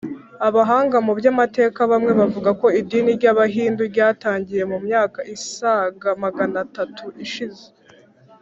abahanga mu by’amateka bamwe bavuga ko idini ry’abahindu ryatangiye mu myaka isaga magana tatu ishize